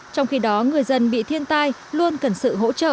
trong khi đó người dân bị thiên tài luôn cần sự hỗ trợ để vượt qua mọi khó khăn